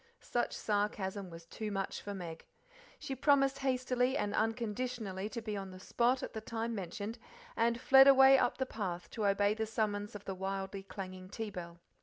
Such sarcasm was too much for Meg. She promised hastily and unconditionally to be on the spot at the time mentioned, and fled away up the path to obey the summons of the wildly clanging tea bell.